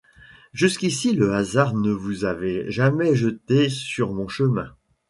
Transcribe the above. Jusqu’ici le hasard ne vous avait jamais jeté sur mon chemin...